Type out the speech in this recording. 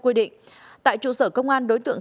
quy định tại trụ sở công an đối tượng